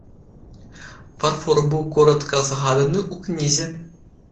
Фарфор быў коратка згаданы ў кнізе.